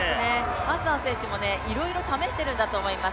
ハッサン選手もいろいろ試しているんだと思います。